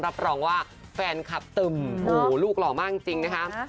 รับรองว่าแฟนคลับตึมโอ้โหลูกหล่อมากจริงนะคะ